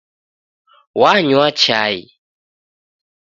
Wanywa chai